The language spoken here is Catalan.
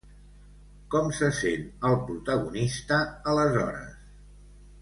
Com se sent el protagonista, aleshores?